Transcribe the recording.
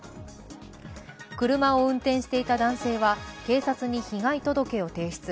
車を運転していた男性は、警察に被害届を提出。